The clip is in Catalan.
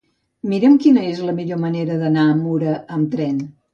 Mira'm quina és la millor manera d'anar a Mura amb tren.